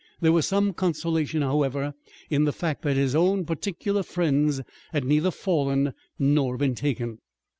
There was some consolation, however, in the fact that his own particular friends had neither fallen nor been taken.